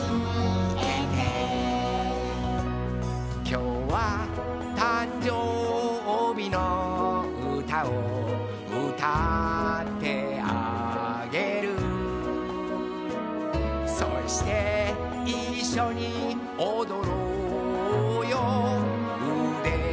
「きょうはたんじょうびのうたをうたってあげる」「そしていっしょにおどろうようでをくんで、、、」